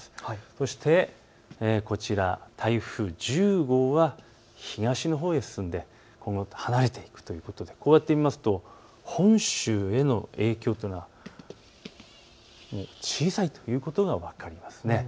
そしてこちら、台風１０号は東のほうへ進んで今後、離れていくということでこうやって見ますと本州への影響というのは小さいということが分かりますね。